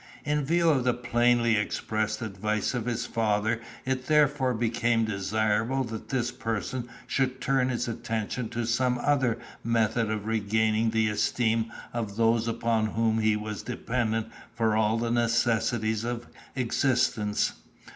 In view of the plainly expressed advice of his father it therefore became desirable that this person should turn his attention to some other method of regaining the esteem of those upon whom he was dependent for all the necessaries of existence.